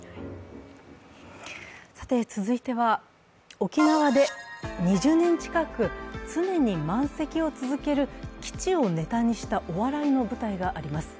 続いては沖縄で２０年近く常に満席を続ける基地をネタにしたお笑いの舞台があります。